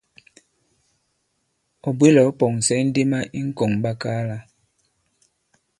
Ɔ̀ bwě la ɔ̃ pɔ̀ŋsɛ indema ì ŋ̀kɔ̀ŋɓakaala.